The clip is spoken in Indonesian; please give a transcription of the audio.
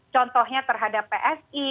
contohnya terhadap psi